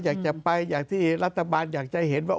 อยากจะไปอย่างที่รัฐบาลอยากจะเห็นว่า